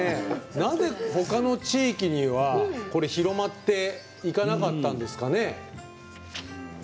なぜほかの地域にはこれ、広まっていかなかったんですかね？